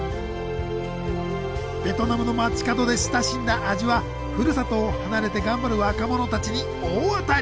ベトナムの街角で親しんだ味はふるさとを離れて頑張る若者たちに大当たり！